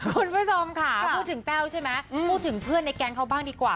คุณผู้ชมค่ะพูดถึงแต้วใช่ไหมพูดถึงเพื่อนในแก๊งเขาบ้างดีกว่า